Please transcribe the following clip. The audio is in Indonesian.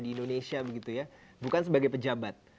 di indonesia begitu ya bukan sebagai pejabat